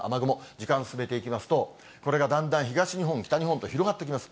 時間進めていきますと、これがだんだん東日本、北日本と広がってきます。